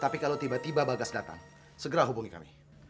tapi kalau tiba tiba bagas datang segera hubungi kami